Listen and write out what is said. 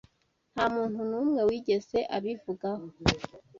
Nta muntu n'umwe wigeze abivugaho.